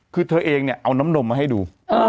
คือเธอเองเนี่ยเอาน้ำนมมาให้ดู